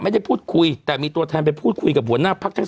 ไม่ได้พูดคุยแต่มีตัวแทนไปพูดคุยกับหัวหน้าพักทั้ง๓